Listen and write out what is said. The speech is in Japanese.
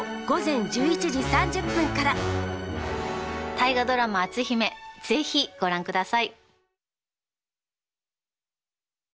大河ドラマ「篤姫」是非ご覧ください！